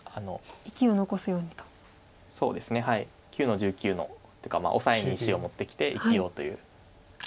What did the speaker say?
９の十九のというかオサエに石を持ってきて生きようという。